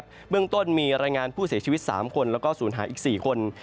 เบื้องต้นมีรายงานผู้เสียชีวิต๓คนแล้วก็ศูนย์หายอีก๔คน